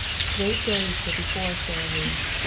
Great days were before Sara Lee.